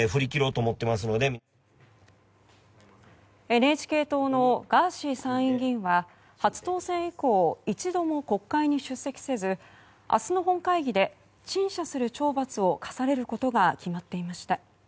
ＮＨＫ党のガーシー参院議員は初当選以降一度も国会に出席せず明日の本会議で陳謝する懲罰を科されることが決まっていました。